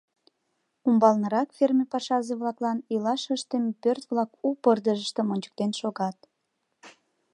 Умбалнырак ферме пашазе-влаклан илаш ыштыме пӧрт-влак у пырдыжыштым ончыктен шогат.